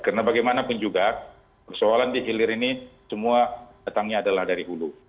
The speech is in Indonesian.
karena bagaimanapun juga persoalan di hilir ini semua datangnya adalah dari hulu